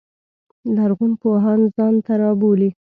لرغون پوهان ځان ته رابولي.